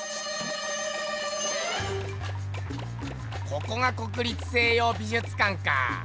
ここが国立西洋美術館か。